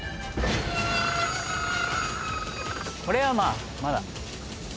これはまあまだ。